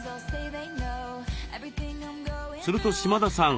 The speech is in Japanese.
すると島田さん